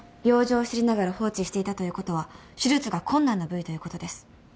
病状を知りながら放置していたということは手術が困難な部位ということです。